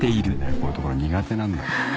こういうとこ苦手なんだけどね。